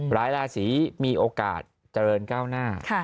ราศีมีโอกาสเจริญก้าวหน้า